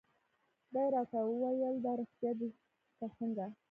دې راته وویل: دا رېښتیا دي که څنګه؟